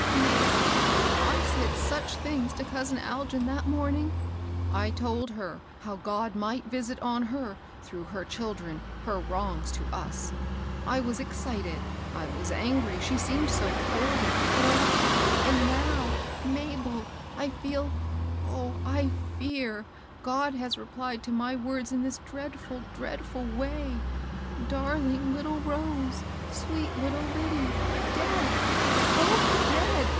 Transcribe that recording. " Mabel, I said such things to cousin Algin that morning ! I told her how God might visit on her, through her children, her wrongs to us. I was excited, — I was angry, she seemed so cold and THE WOLF AT THE DOOR. 891 cruel. And now^ Mabel, I feel — oh, I fear^ God lias replied to my words in this dreadful, dreadful way ! Darling little Rose ! sweet little Lyddie !— dead! — both dead!